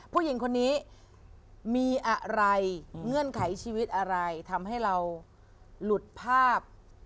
ผู้หญิงคนนี้มีอะไรเงื่อนไขชีวิตอะไรทำให้เราหลุดภาพ